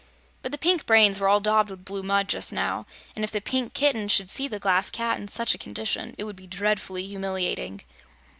But the pink brains were all daubed with blue mud, just now, and if the Pink Kitten should see the Glass Cat in such a condition, it would be dreadfully humiliating.